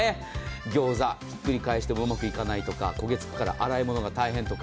ギョーザ、ひっくり返してもうまくいかないとか、焦げ付くから洗い物が大変とか。